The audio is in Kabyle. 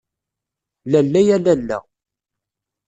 Lalla ya lalla.